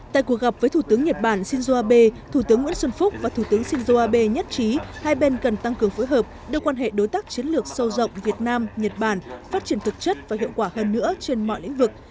tại cuộc gặp với thủ tướng nhật bản shinzo abe thủ tướng nguyễn xuân phúc và thủ tướng shinzo abe nhất trí hai bên cần tăng cường phối hợp đưa quan hệ đối tác chiến lược sâu rộng việt nam nhật bản phát triển thực chất và hiệu quả hơn nữa trên mọi lĩnh vực